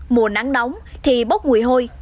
mùa nắng nóng thì bốc mùi hôi